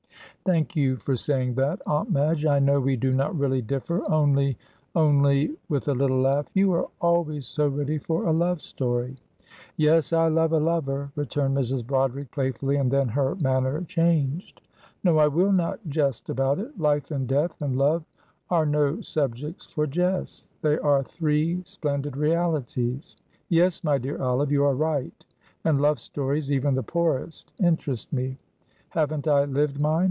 "Thank you for saying that, Aunt Madge. I know we do not really differ, only only," with a little laugh, "you are always so ready for a love story." "Yes, I love a lover," returned Mrs. Broderick, playfully, and then her manner changed. "No, I will not jest about it; life and death and love are no subjects for jests, they are three splendid realities. Yes, my dear Olive, you are right, and love stories, even the poorest, interest me. Haven't I lived mine?